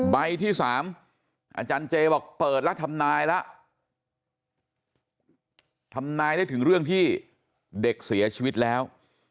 ใบที่๓อาจารย์เจบอกเปิดแล้วทำนายละทำนายได้ถึงเรื่องที่เด็กเสียชีวิตแล้ว